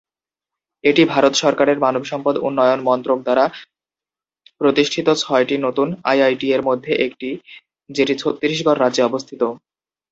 এটি ভারত সরকারের মানব সম্পদ উন্নয়ন মন্ত্রক দ্বারা প্রতিষ্ঠিত ছয়টি নতুন আইআইটি-এর মধ্যে একটি, যেটি ছত্তিশগড় রাজ্যে অবস্থিত।